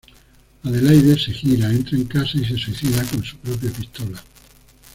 Adelaide se gira, entra en casa y se suicida con su propia pistola.